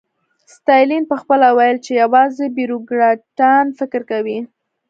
ستالین پخپله ویل چې یوازې بیروکراټان فکر کوي